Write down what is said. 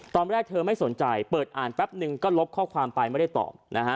ตอนแรกเธอไม่สนใจเปิดอ่านแป๊บนึงก็ลบข้อความไปไม่ได้ตอบนะฮะ